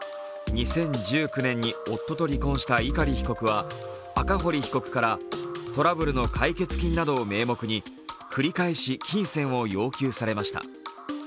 ２０１９年に夫と離婚した碇被告は赤堀被告からトラブルの解決金などを名目に繰り返し金銭を要求されました。